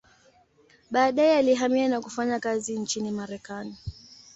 Baadaye alihamia na kufanya kazi nchini Marekani.